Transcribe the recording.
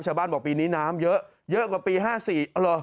ชาวบ้านบอกปีนี้น้ำเยอะเยอะกว่าปี๕๔เหรอ